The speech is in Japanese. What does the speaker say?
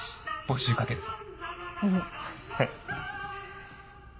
募集かけるぞ。